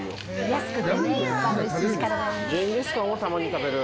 ジンギスカンはたまに食べる。